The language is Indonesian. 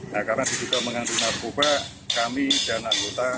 nah karena diduga mengandung narkoba kami dan anggota